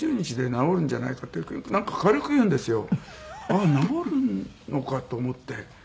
あっ治るのかと思って。